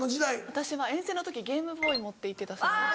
私は遠征の時ゲームボーイ持って行ってた世代です。